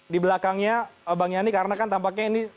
di belakangnya bang yani karena kan tampaknya ini